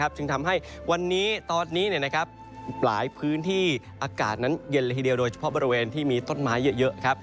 จึงทำให้วันนี้ตอนนี้หลายพื้นที่อากาศนั้นเย็นละทีเดียวโดยเฉพาะบริเวณที่มีต้นไม้เยอะ